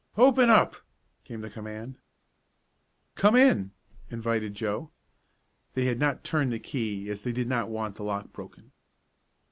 "Open up!" came the command. "Come in!" invited Joe. They had not turned the key as they did not want the lock broken.